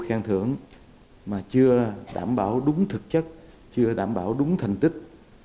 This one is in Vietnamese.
khen thưởng mà chưa đảm bảo đúng thực chất chưa đảm bảo đúng thành tích